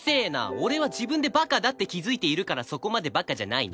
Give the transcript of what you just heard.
俺は自分でバカだって気づいているからそこまでバカじゃないの。